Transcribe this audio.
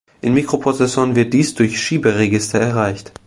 In Mikroprozessoren wird dies durch Schieberegister erreicht.